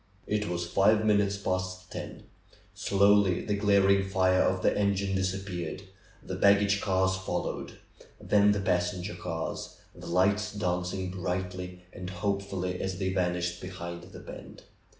It was five minutes past ten. Slowly the glaring fire of the engine disappeared; the baggage cars fol lowed; then the passenger cars, the lights dancing brightly and hopefully as they vanished behind the bend.